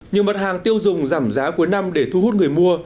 nhiều mặt hàng tiêu dùng giảm giá cuối năm để thu hút người mua